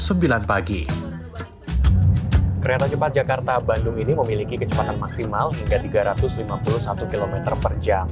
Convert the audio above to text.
kereta cepat jakarta bandung ini memiliki kecepatan maksimal hingga tiga ratus lima puluh satu km per jam